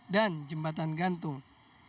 dan jembatan gantung